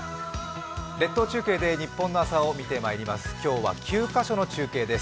列島中継で日本の朝を見てまいります。